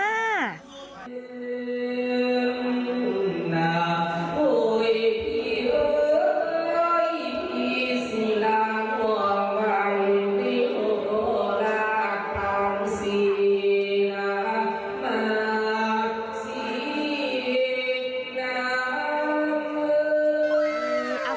อัศวาส